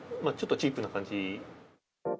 ちょっとチープな感じ。